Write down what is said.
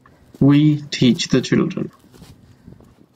We teach the children.